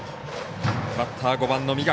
バッター、５番の三垣。